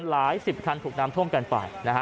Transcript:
หลายสิบคันถูกน้ำท่วมกันไปนะฮะ